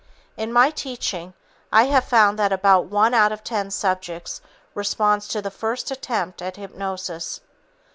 In my teaching, I have found that about one out of ten subjects responds to the first attempt at hypnosis.